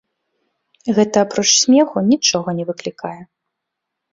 Гэта апроч смеху нічога не выклікае.